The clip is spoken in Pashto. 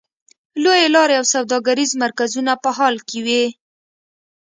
لویې لارې او سوداګریز مرکزونه په حال کې وې.